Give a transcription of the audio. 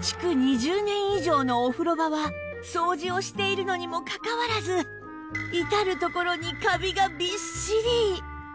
築２０年以上のお風呂場は掃除をしているのにもかかわらず至る所にカビがびっしり！